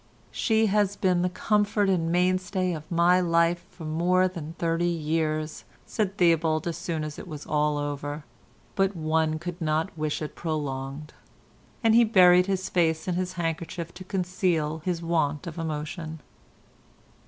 "She has been the comfort and mainstay of my life for more than thirty years," said Theobald as soon as all was over, "but one could not wish it prolonged," and he buried his face in his handkerchief to conceal his want of emotion.